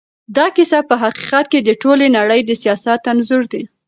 دا کيسه په حقیقت کې د ټولې نړۍ د سياست انځور دی.